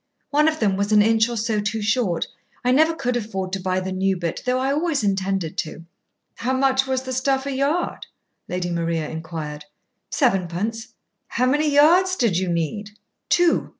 One of them was an inch or so too short. I never could afford to buy the new bit, though I always intended to." "How much was the stuff a yard?" Lady Maria inquired. "Sevenpence." "How many yards did you need?" "Two.